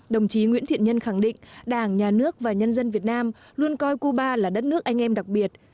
đồng chí nguyễn thiện nhân khẳng định đảng nhà nước và nhân dân việt nam luôn coi cuba là đất nước anh em đặc biệt